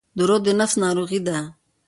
• دروغ د نفس ناروغي ده.